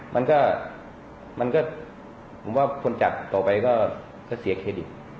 มันก็มันก็ผมว่าคนจัดต่อไปก็เสียเครดิต